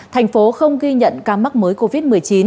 thành phố không ghi nhận ca mắc mới covid một mươi chín